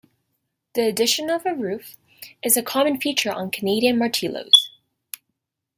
The addition of a roof is a common feature on Canadian Martellos.